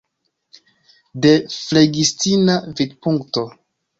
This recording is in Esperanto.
De flegistina vidpunkto.